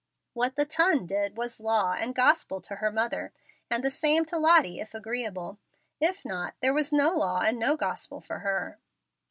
What the TON did was law and gospel to her mother; and the same to Lottie, if agreeable. If not, there was no law and no gospel for her.